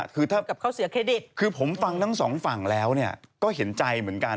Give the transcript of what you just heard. คือผมฟังทั้ง๒ฝั่งแล้วก็เห็นใจเหมือนกัน